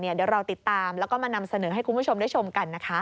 เดี๋ยวเราติดตามแล้วก็มานำเสนอให้คุณผู้ชมได้ชมกันนะคะ